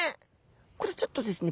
これちょっとですね